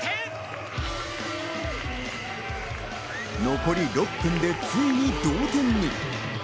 残り６分でついに同点に。